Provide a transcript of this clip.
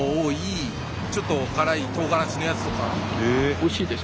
おいしいです。